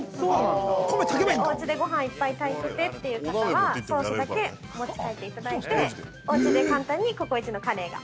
おうちでごはんいっぱい炊いててという方は、ソースだけ持ち帰っていただいておうちで簡単にココイチのカレーが。